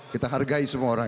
kita hargai semua orang